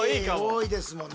多いですもんね。